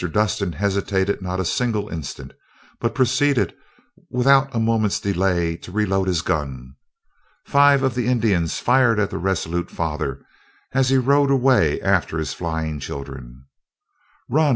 Dustin hesitated not a single instant, but proceeded, without a moment's delay, to reload his gun. Five of the Indians fired at the resolute father, as he rode away after his flying children. "Run!